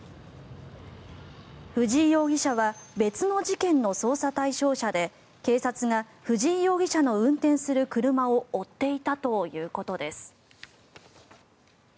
藤井容疑者は別の事件の捜査対象者で警察が藤井容疑者の運転する車を追っていたということです。